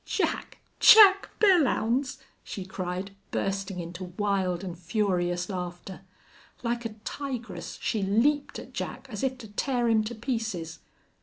"Jack! Jack Belllounds!" she cried, bursting into wild and furious laughter. Like a tigress she leaped at Jack as if to tear him to pieces.